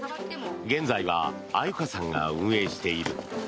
現在は愛柚香さんが運営している。